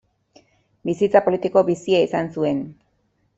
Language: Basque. Bizitza politiko bizia izan zuen.